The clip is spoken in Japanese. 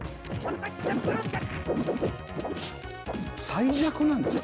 最弱なんちゃう？